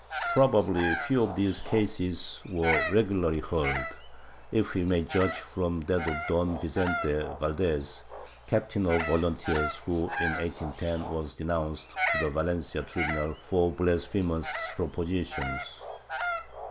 Probably few of these cases were regularly heard, if we may judge from that of Don Vicente Valdes, captain of volunteers who, in 1810, was denounced to the Valencia tribunal for blasphemous propositions.